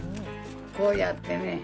こうやってね。